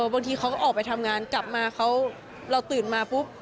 บางทีเขาก็ออกไปทำงานกลับมาเราตื่นมาปุ๊บ